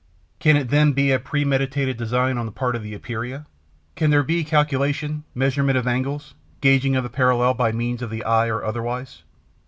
Can it then be a premeditated design on the part of the Epeira? Can there be calculation, measurement of angles, gauging of the parallel by means of the eye or otherwise?